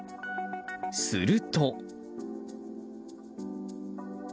すると。